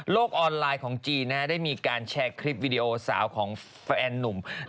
ออนไลน์ของจีนได้มีการแชร์คลิปวิดีโอสาวของแฟนนุ่ม